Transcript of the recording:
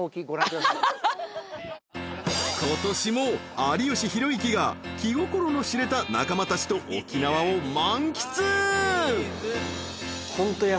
［今年も有吉弘行が気心の知れた仲間たちと沖縄を満喫！］